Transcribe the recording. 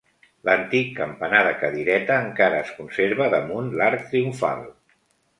L'antic campanar de cadireta encara es conserva damunt l’arc triomfal.